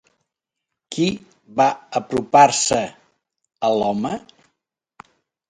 Qui va apropar-se a l'home?